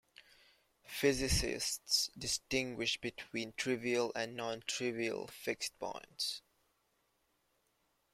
Physicists distinguish between trivial and nontrivial fixed points.